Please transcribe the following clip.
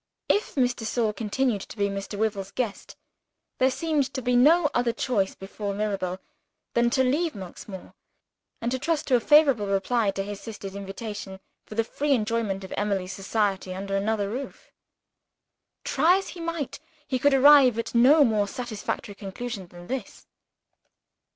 If Miss de Sor continued to be Mr. Wyvil's guest, there seemed to be no other choice before Mirabel than to leave Monksmoor and to trust to a favorable reply to his sister's invitation for the free enjoyment of Emily's society under another roof. Try as he might, he could arrive at no more satisfactory conclusion than this.